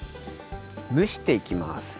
むしていきます。